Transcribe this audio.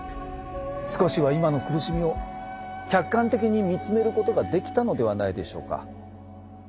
少しは今の苦しみを客観的に見つめることができたのではないでしょうか？